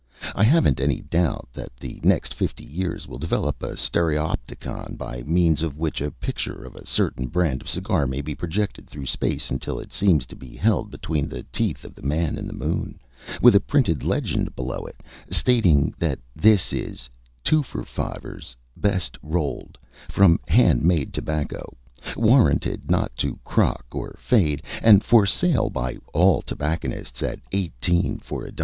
I haven't any doubt that the next fifty years will develop a stereopticon by means of which a picture of a certain brand of cigar may be projected through space until it seems to be held between the teeth of the man in the moon, with a printed legend below it stating that this is _Tooforfivers Best, Rolled from Hand made Tobacco, Warranted not to Crock or Fade, and for sale by All Tobacconists at Eighteen for a Dime_."